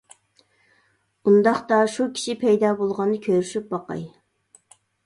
-ئۇنداقتا شۇ كىشى پەيدا بولغاندا كۆرۈشۈپ باقاي.